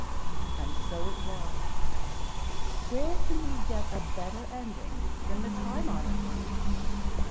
And so it was. Where can we get a better ending than the time honored one?